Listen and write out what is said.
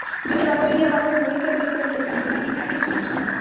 যদিও বাবা ভবিষ্যতে কোনো ছবি তৈরি করলে সেখানে অভিনয়ের ইচ্ছা রাখেন সোনম।